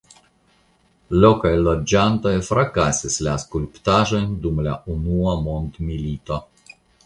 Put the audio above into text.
Lokaj loĝantoj frakasis la skulptaĵojn dum la Unua Mondmilito.